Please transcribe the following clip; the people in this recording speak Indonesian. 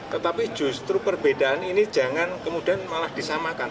tetapi justru perbedaan ini jangan kemudian malah disamakan